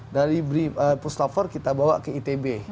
dari puslat formabespori kita bawa ke itb